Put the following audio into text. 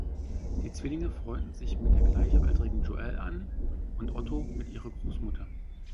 Die Zwillinge freunden sich mit der gleichaltrigen Joelle an, und Otto mit ihrer Großmutter.